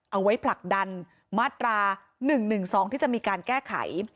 เอาไว้ผลักดันมาตรา๑๑๒ที่จะมีการแก้ไข